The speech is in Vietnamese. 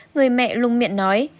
người mẹ lung miệng nói